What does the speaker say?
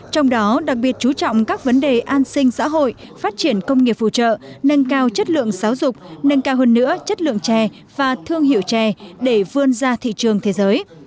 trong đó đặc biệt chú trọng các vấn đề an sinh xã hội phát triển công nghiệp phụ trợ nâng cao chất lượng giáo dục nâng cao hơn nữa chất lượng chè và thương hiệu chè để vươn ra thị trường thế giới